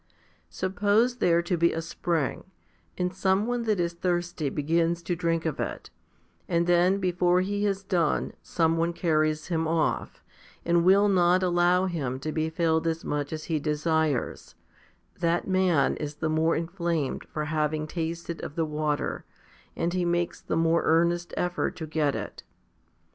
Suppose there to be a spring, and some one that is thirsty begins to drink of it, and then before he has done some one carries him off, and will not allow him to be as much filled as he desires, that man is the more inflamed for having tasted of the water, and he makes the more earnest effort to get it.